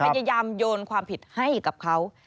พยายามโยนความผิดให้กับเขา